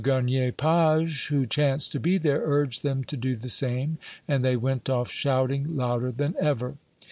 Garnier Pages, who chanced to be there, urged them to do the same, and they went off shouting louder than ever."